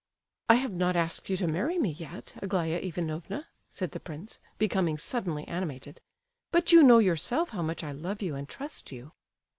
"I have not asked you to marry me yet, Aglaya Ivanovna," said the prince, becoming suddenly animated; "but you know yourself how much I love you and trust you."